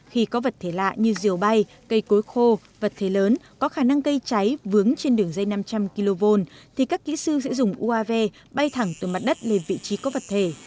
khi có vật thể lạ như diều bay cây cối khô vật thể lớn có khả năng gây cháy vướng trên đường dây năm trăm linh kv thì các kỹ sư sẽ dùng uav bay thẳng từ mặt đất lên vị trí có vật thể